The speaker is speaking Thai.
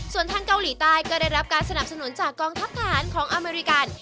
ส่วนทางเกาหลีใต้ก็ได้รับการสนับสนุนจากกองทัพทหารของอเมริกัน